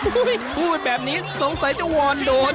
พูดแบบนี้สงสัยจะวอนโดด